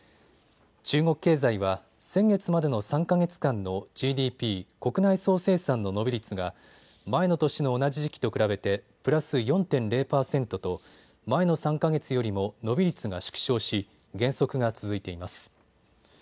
中国経済は先月までの３か月間のＧＤＰ・国内総生産の伸び率が前の年の同じ時期と比べてプラス４．０％と前の３か月よりも伸び率が縮小し減速が続いています。